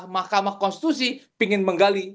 mahkamah konstitusi ingin menggali